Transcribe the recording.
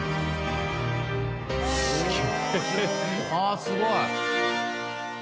ああすごい。